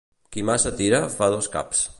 Qui massa tira fa dos caps.